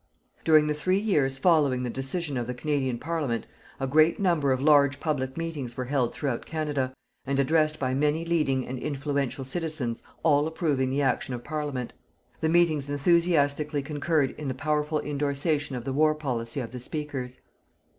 During the three years following the decision of the Canadian Parliament, a great number of large public meetings were held throughout Canada, and addressed by many leading and influential citizens all approving the action of Parliament. The meetings enthusiastically concurred in the powerful indorsation of the war policy of the speakers.